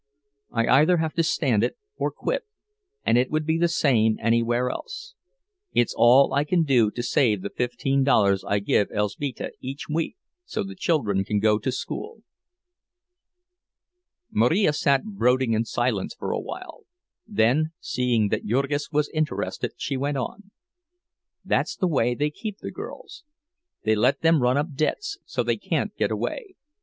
I either have to stand it or quit, and it would be the same anywhere else. It's all I can do to save the fifteen dollars I give Elzbieta each week, so the children can go to school." Marija sat brooding in silence for a while; then, seeing that Jurgis was interested, she went on: "That's the way they keep the girls—they let them run up debts, so they can't get away.